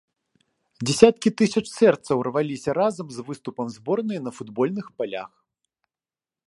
Дзясяткі тысяч сэрцаў рваліся разам з выступам зборнай на футбольных палях.